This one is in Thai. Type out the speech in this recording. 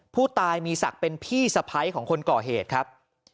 ผู้ตายมีศักดิ์เป็นพี่สะพ้ายของคนก่อเหตุครับ